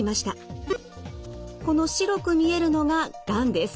この白く見えるのががんです。